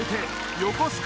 横須賀